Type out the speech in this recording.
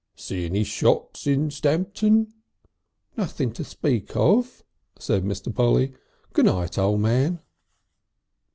"See any shops in Stamton?" "Nothing to speak of," said Mr. Polly. "Goo night, O' Man."